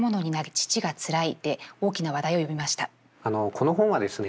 この本はですね